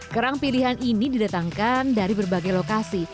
kerang pilihan ini didatangkan dari berbagai lokasi